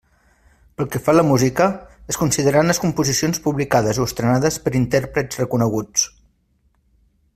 Pel que fa a la música, es consideraran les composicions publicades o estrenades per intèrprets reconeguts.